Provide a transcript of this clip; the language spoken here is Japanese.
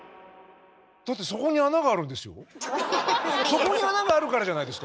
だってそこに穴があるからじゃないですか